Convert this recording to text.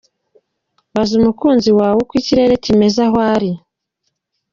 Baza umukunzi wawe uko ikirere kimeze aho ari.